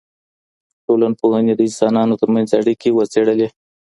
ټولنپوهني د انسانانو ترمنځ اړیکي وڅېړلې.